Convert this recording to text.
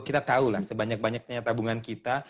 kita tahu lah sebanyak banyaknya tabungan kita